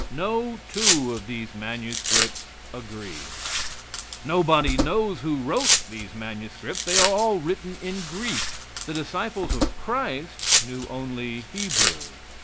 No two of these manuscripts agree. Nobody knows who wrote these manuscripts. They are all written in Greek; the disciples of Christ knew only Hebrew.